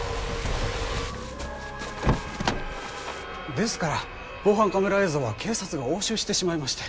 ですから防犯カメラ映像は警察が押収してしまいまして。